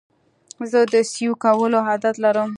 زه د سیو کولو عادت لرم.